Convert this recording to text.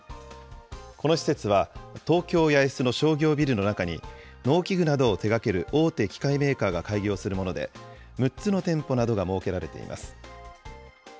この施設は東京・八重洲の商業ビルの中に農機具などを手がける大手機械メーカーが開業するもので、６つの店舗などが設けられています。